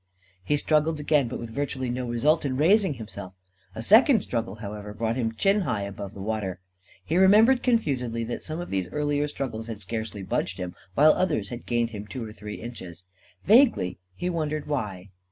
He struggled again, but with virtually no result in raising himself. A second struggle, however, brought him chin high above the water. He remembered confusedly that some of these earlier struggles had scarce budged him, while others had gained him two or three inches. Vaguely, he wondered why.